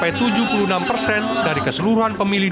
dari keseluruhan pemilihan dan penyelenggaraan di republik ini